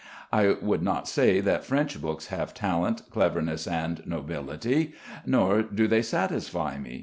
I would not say that French books have talent, cleverness, and nobility. Nor do they satisfy me.